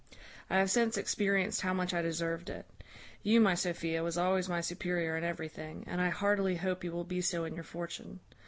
I have since experienced how much I deserved it. You, my Sophia, was always my superior in everything, and I heartily hope you will be so in your fortune.